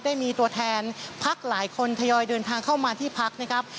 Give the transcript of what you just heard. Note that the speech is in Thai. ได้มีตัวแทนพักหลายคนทยอยเดินทางเข้ามาที่พักนะครับ